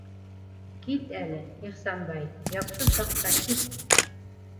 Кит әле, Ихсанбай, яҡшы саҡта кит!